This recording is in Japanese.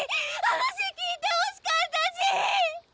話聞いてほしかったし！